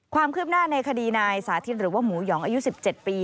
ความคืบหน้าในคดีนายสาธิตหรือว่าหมูหยองอายุ๑๗ปี